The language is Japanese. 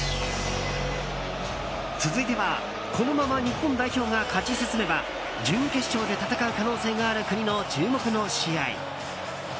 続いてはこのまま日本代表が勝ち進めば準決勝で戦う可能性がある国の注目の試合。